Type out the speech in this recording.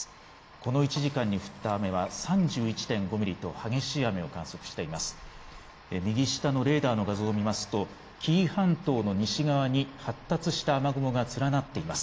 この１時間に降った雨は３１．５ミリと激しい雨を観測しています。